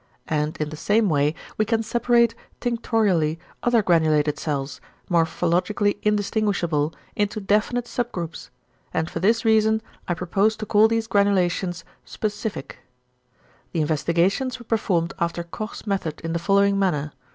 And in the same way we can separate tinctorially other granulated cells, morphologically indistinguishable, into definite sub groups. And for this reason, I propose to call these granulations =specific=." "The investigations were performed after Koch's method in the following manner.